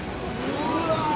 うわ！